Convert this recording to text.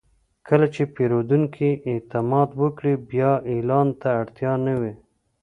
کله چې پیرودونکی اعتماد وکړي، بیا اعلان ته اړتیا نه وي.